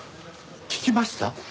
聞きました？